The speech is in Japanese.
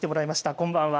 こんばんは。